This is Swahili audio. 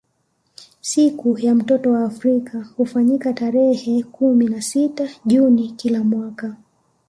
Siku ya mtoto wa Afrika hufanyika tarehe kumi na sita juni kila mwaka